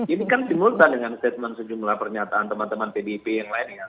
ini kan simultan dengan statement sejumlah pernyataan teman teman pdip yang lain ya